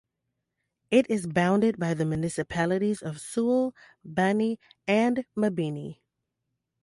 It is bounded by the municipalities of Sual, Bani, and Mabini.